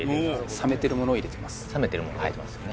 冷めてるもの入れてますよね